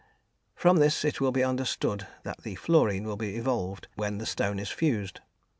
From this it will be understood that the fluorine will be evolved when the stone is fused.